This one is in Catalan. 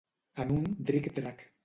En un dric-drac.